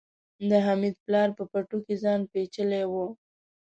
د حميد پلار په پټو کې ځان پيچلی و.